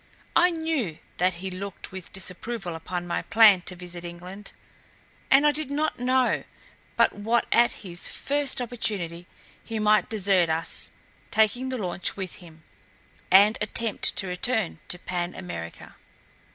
I knew that he looked with disapproval upon my plan to visit England, and I did not know but what at his first opportunity, he might desert us, taking the launch with him, and attempt to return to Pan America.